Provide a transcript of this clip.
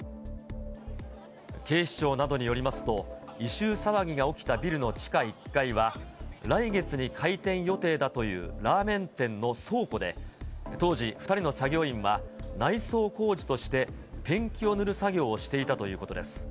警視庁などによりますと、異臭騒ぎが起きたビルの地下１階は来月に開店予定だというラーメン店の倉庫で、当時、２人の作業員は内装工事として、ペンキを塗る作業をしていたということです。